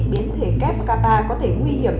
biến thể kép kappa có thể nguy hiểm